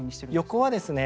横はですね